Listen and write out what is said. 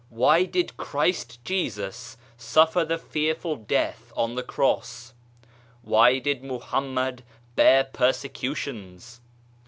Why did Christ Jesus suffer the fearful death on the Cross ? Why did Mohammed bear persecutions